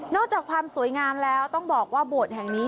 จากความสวยงามแล้วต้องบอกว่าโบสถ์แห่งนี้